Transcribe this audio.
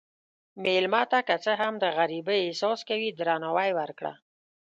مېلمه ته که څه هم د غریبۍ احساس کوي، درناوی ورکړه.